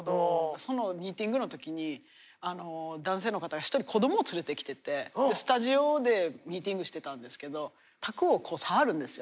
そのミーティングの時に男性の方が一人子供を連れてきててスタジオでミーティングしてたんですけど卓を触るんですよ